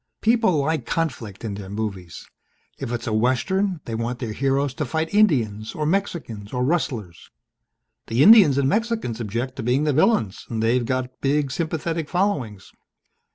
"People like conflict in their movies. If it's a Western they want their heroes to fight Indians or Mexicans or rustlers. The Indians and Mexicans object to being the villains and they've got big sympathetic followings.